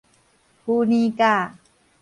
麩奶甲